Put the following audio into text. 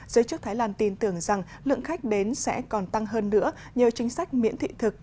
giới chức thái lan tin tưởng rằng lượng khách đến sẽ còn tăng hơn nữa nhờ chính sách miễn thị thực